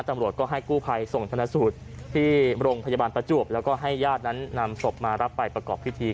ตำรวจก็ให้กู้ภัยส่งธนสูตรที่โรงพยาบาลประจวบแล้วก็ให้ญาตินั้นนำศพมารับไปประกอบพิธี